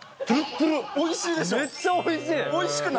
おいしいでしょ？